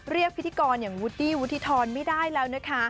เรียกพิธีกรอย่างวูดดี้วุฒิธรไม่ได้แล้วนะคะ